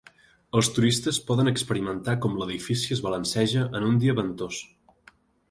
Els turistes poden experimentar com l'edifici es balanceja en un dia ventós.